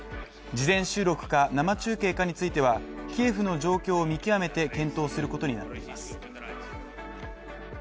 事前収録か、生中継かについてはキエフの状況を見極めて検討することになっています。